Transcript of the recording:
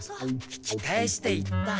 引き返していった。